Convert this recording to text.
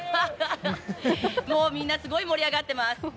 もうみんなすごい盛り上がってます。